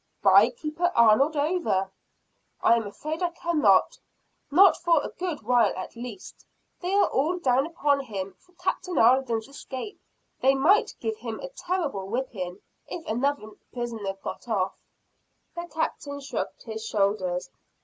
"Buy Keeper Arnold over." "I am afraid I cannot not for a good while at least. They are all down upon him for Captain Alden's escape. They might give him a terrible whipping if another prisoner got off." The Captain shrugged his shoulders.